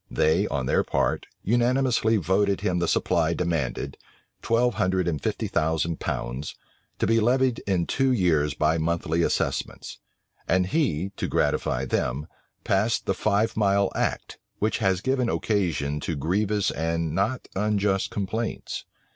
They, on their part, unanimously voted him the supply demanded, twelve hundred and fifty thousand pounds, to be levied in two years by monthly assessments. And he, to gratify them, passed the five mile act, which has given occasion to grievous and not unjust complaints.